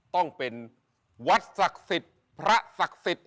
ต้องเป็นวัดศักดิ์สิทธิ์พระศักดิ์สิทธิ์